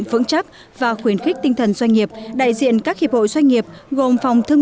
vững chắc và khuyến khích tinh thần doanh nghiệp đại diện các hiệp hội doanh nghiệp gồm phòng thương